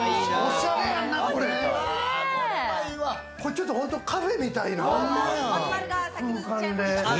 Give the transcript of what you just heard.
ちょっとカフェみたいな。